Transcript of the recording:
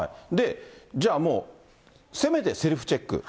じゃあもう、せめてセルフチック。